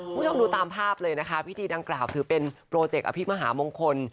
คุณผู้ชมดูตามภาพเลยนะคะพิธีดังกล่าวถือเป็นโปรเจกต์อภิมหามงคล